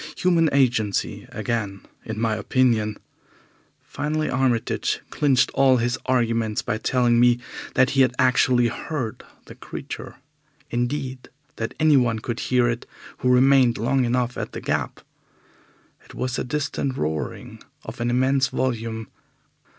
Human agency again, in my opinion. Finally, Armitage clinched all his arguments by telling me that he had actually heard the Creature indeed, that anyone could hear it who remained long enough at the Gap. It was a distant roaring of an immense volume.